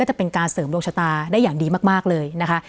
จะเป็นการเสริมดวงชะตาได้อย่างดีมากเลยนะคะ